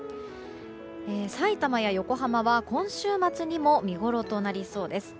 さいたまや横浜は今週末にも見ごろとなりそうです。